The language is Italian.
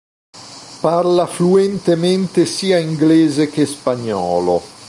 Parla fluentemente sia inglese che spagnolo.